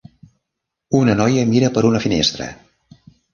Una noia mira per una finestra.